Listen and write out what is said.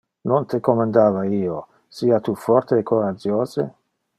Non te commandava io: sia tu forte e coragiose?